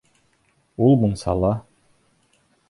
Ул мунсала.